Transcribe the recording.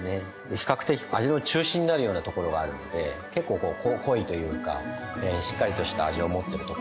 比較的味の中心になるようなところがあるので結構こう濃いというかしっかりとした味を持ってるところですね。